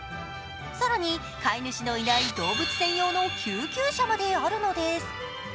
更に飼い主のいない動物専用の救急車まであるのです。